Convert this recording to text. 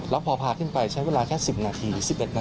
แล้วพอพาขึ้นไปใช้เวลาแค่๑๐นาที๑๑นาที